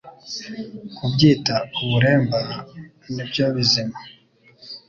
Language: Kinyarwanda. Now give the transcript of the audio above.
Kubyita Uburemba nibyo bizima